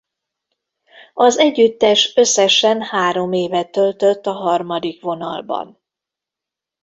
Az együttes összesen három évet töltött a harmadik vonalban.